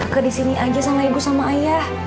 ke di sini aja sama ibu sama ayah